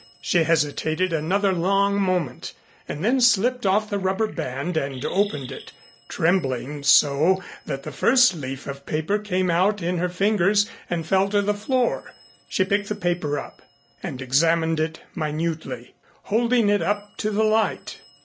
She hesitated another long moment and then slipped off the rubber band and opened it, trembling so that the first leaf of paper came out in her fingers and fell to the floor. She picked the paper up and examined it minutely, holding it up to the light.